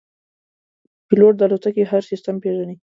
پیلوټ د الوتکې هر سیستم پېژني.